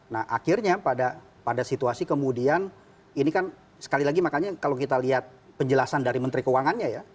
nah akhirnya pada situasi kemudian ini kan sekali lagi makanya kalau kita lihat penjelasan dari menteri keuangannya ya